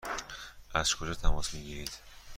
از کجا تماس می گیرید؟